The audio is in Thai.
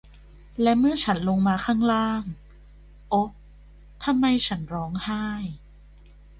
และเมื่อฉันลงมาข้างล่าง โอ๊ะ ทำไมฉันร้องไห้